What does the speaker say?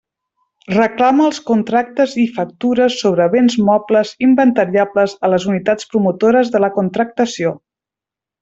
Reclama els contractes i factures sobre béns mobles inventariables a les unitats promotores de la contractació.